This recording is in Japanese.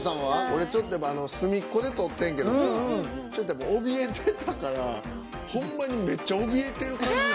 俺ちょっと隅っこで撮ってんけどさちょっとやっぱおびえてたからホンマにめっちゃおびえてる感じになってるわ。